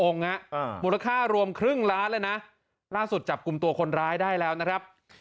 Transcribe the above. มูลค่ารวมครึ่งล้านเลยนะล่าสุดจับกลุ่มตัวคนร้ายได้แล้วนะครับ